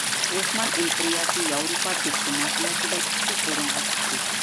ئوسمان ئىمپېرىيەسى ياۋروپا دىپلوماتىيەسىدە كۈچلۈك ئورۇنغا چىقتى.